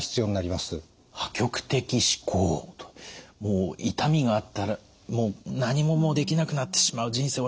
もう痛みがあったら何ももうできなくなってしまう人生終わってしまう。